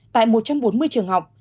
tại một trăm bốn mươi trường học